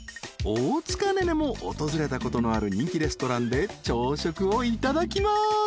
［大塚寧々も訪れたことのある人気レストランで朝食をいただきます］